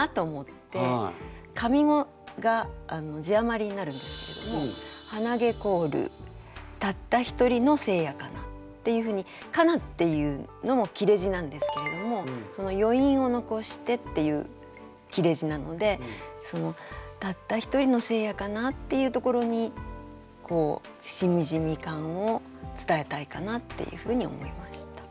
上五が字余りになるんですけれども「はなげ凍るたったひとりの聖夜かな」っていうふうに「かな」っていうのも切れ字なんですけれどもそのよいんを残してっていう切れ字なのでその「たったひとりの聖夜かな」っていうところにこうしみじみ感を伝えたいかなっていうふうに思いました。